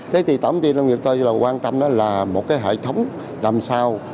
thế thì tổng tiên nông nghiệp ta quan tâm là một hệ thống làm sao